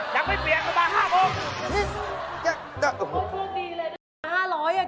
ยังไม่เปลี่ยนเขามา๕โมง